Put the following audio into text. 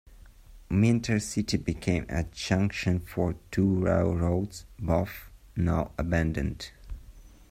Minter City became a junction for two railroads, both now abandoned.